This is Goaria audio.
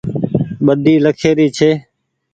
ٻۮي لکيِ ري ڇي